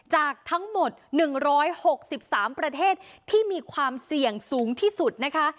จากทั้งหมด๑๖๓ประเทศที่มีความเสี่ยงสูงที่สุดนะคะ